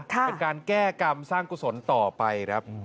เป็นการแก้กรรมสร้างกุศลต่อไปครับ